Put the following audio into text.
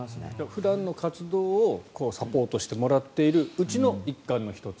普段の活動をサポートしてもらっているうちの一環の１つ。